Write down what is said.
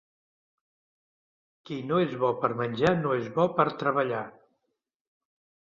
Qui no és bo per menjar no és bo per treballar.